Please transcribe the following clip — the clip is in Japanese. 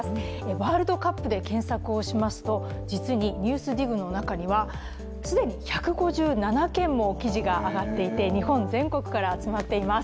ワールドカップで検索をしますと実に「ＮＥＷＳＤＩＧ」の中には既に１５７件も記事が上がっていて日本全国から集まっています。